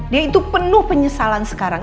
dia itu penuh penyesalan sekarang